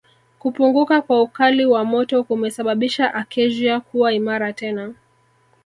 Kupunguka kwa ukali wa moto kumesababisha Acacia kuwa imara tena